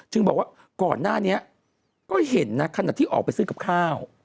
บอกว่าก่อนหน้านี้ก็เห็นนะขณะที่ออกไปซื้อกับข้าว